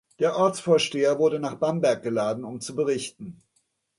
Der Ortsvorsteher wurde nach Bamberg geladen, um zu berichten.